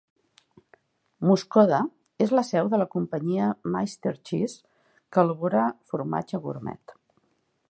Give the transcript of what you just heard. Muscoda és la seu de la companyia Meister Cheese, que elabora formatge gurmet.